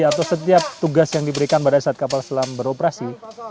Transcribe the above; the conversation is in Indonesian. atau setiap tugas yang diberikan pada saat kapal selam beroperasi